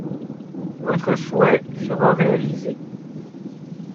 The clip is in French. Votre souhait sera réalisé.